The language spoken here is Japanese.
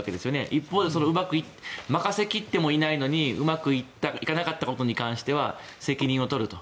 一方で任せきってもいないのにうまくいかなかったことに関しては責任を取ると。